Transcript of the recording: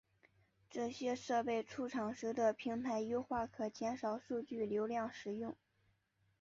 这些设备出厂时的平台优化可减少数据流量使用。